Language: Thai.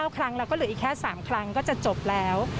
๙ครั้งแล้วก็เหลืออีกแค่๓ครั้งก็จะจบแล้ว